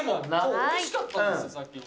おいしかったんですよ、さっきの。